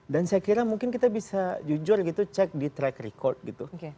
dan saya kira mungkin kita bisa jujur gitu cek di track record gitu